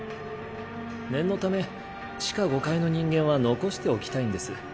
念のため地下５階の人間は残しておきたいんです。